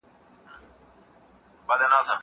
زه به اوږده موده چايي څښلي!؟